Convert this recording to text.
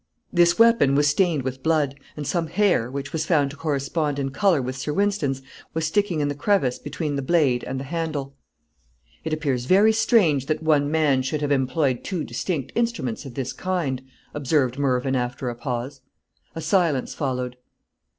This weapon was stained with blood; and some hair, which was found to correspond in color with Sir Wynston's, was sticking in the crevice between the blade and the handle. "It appears very strange that one man should have employed two distinct instruments of this kind," observed Mervyn, after a pause. A silence followed.